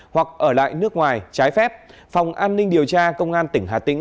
hoặc ở lại nước ngoài trái phép phòng an ninh điều tra công an tỉnh hà tĩnh